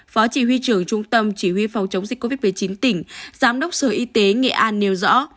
phó chỉ huy trưởng trung tâm chỉ huy phòng chống dịch covid một mươi chín tỉnh giám đốc sở y tế nghệ an nêu rõ